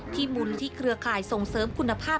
มูลที่เครือข่ายส่งเสริมคุณภาพ